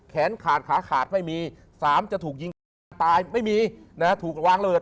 แขนขาดขาขาดไม่มี๓จะถูกยิงตายไม่มีนะฮะถูกวางระเบิด